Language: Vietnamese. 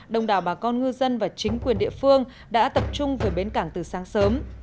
đồng đảo bà con ngư dân và chính quyền địa phương đã tập trung về bến cảng từ sáng sớm